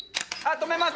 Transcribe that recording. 止めます！